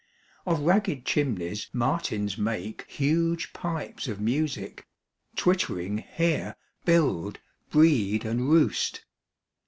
3. Of ragged chimneys martins make Huge pipes of music; twittering here Build, breed, and roost.